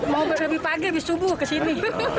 mau berhabi pagi abis subuh kesini